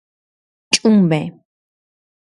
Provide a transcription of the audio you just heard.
ჭუმე